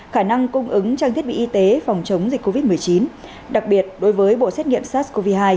khả năng cung ứng trang thiết bị y tế phòng chống dịch covid một mươi chín đặc biệt đối với bộ xét nghiệm sars cov hai